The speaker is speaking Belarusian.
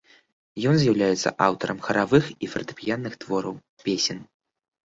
Ён з'яўляецца аўтарам харавых і фартэпіянных твораў, песень.